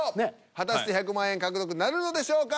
果たして１００万円獲得なるのでしょうか？